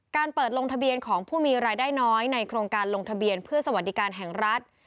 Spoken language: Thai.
การเปิดลงทะเบียนของผู้มีรายได้น้อยในโครงการลงทะเบียนเพื่อสวัสดิการแห่งรัฐ